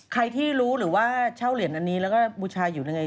ใครที่รู้หรือว่าเช่าเหรียญอันนี้แล้วก็บูชาอยู่ยังไง